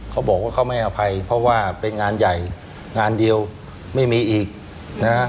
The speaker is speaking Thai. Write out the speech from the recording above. เขาบอกว่าเขาไม่อภัยเพราะว่าเป็นงานใหญ่งานเดียวไม่มีอีกนะ